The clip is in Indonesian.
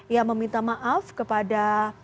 ia meminta maaf kepada